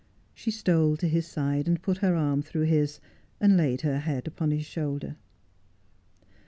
She stole to his side, and put her arm through his, and laid her head upon his shoulder.